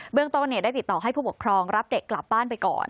เรื่องต้นได้ติดต่อให้ผู้ปกครองรับเด็กกลับบ้านไปก่อน